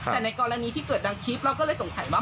แต่ในกรณีที่เกิดดังคลิปเราก็เลยสงสัยว่า